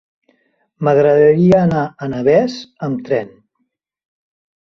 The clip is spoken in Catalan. M'agradaria anar a Navès amb tren.